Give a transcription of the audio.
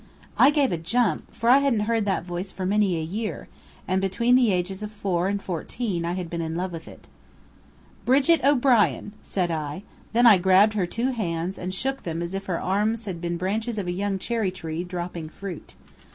I gave a jump, for I hadn't heard that voice for many a year, and between the ages of four and fourteen I had been in love with it. "Brigit O'Brien!" said I. Then I grabbed her two hands and shook them as if her arms had been branches of a young cherry tree, dropping fruit.